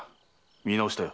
見直したよ。